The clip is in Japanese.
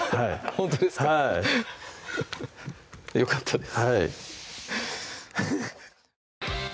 ほんとですかはいよかったです